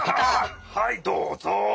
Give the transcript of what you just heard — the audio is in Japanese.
はいどうぞ。